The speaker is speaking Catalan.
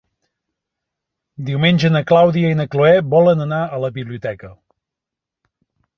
Diumenge na Clàudia i na Cloè volen anar a la biblioteca.